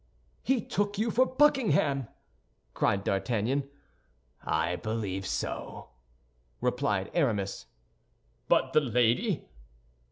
'" "He took you for Buckingham!" cried D'Artagnan. "I believe so," replied Aramis. "But the lady?"